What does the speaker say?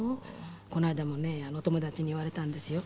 この間もねお友達に言われたんですよ。